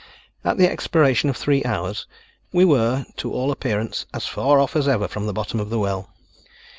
At the expiration of three hours, we were, to all appearance, as far off as ever from the bottom of the well.